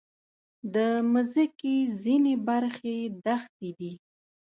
د مځکې ځینې برخې دښتې دي.